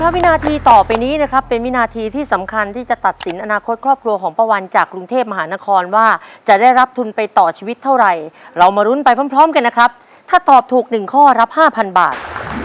วินาทีต่อไปนี้นะครับเป็นวินาทีที่สำคัญที่จะตัดสินอนาคตครอบครัวของป้าวันจากกรุงเทพมหานครว่าจะได้รับทุนไปต่อชีวิตเท่าไหร่เรามารุ้นไปพร้อมกันนะครับถ้าตอบถูก๑ข้อรับ๕๐๐บาท